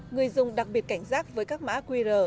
người dùng đặc biệt cảnh giác với các mã qr